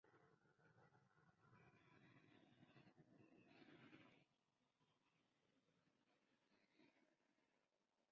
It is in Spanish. Recientemente, esta localidad se ha convertido en un asentamiento principal de asirios en Irak.